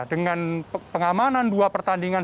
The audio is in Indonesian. dengan pengamanan dua pertandingan